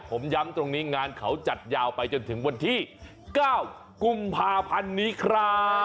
ผมย้ำตรงนี้งานเขาจัดยาวไปจนถึงวันที่๙กุมภาพันธ์นี้ครับ